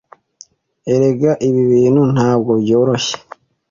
Erega ibi bintu ntabwo byoroshye